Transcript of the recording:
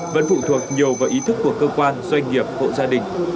vẫn phụ thuộc nhiều vào ý thức của cơ quan doanh nghiệp hộ gia đình